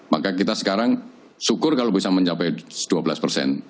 maka kita sekarang syukur kalau bisa mencapai dua belas persen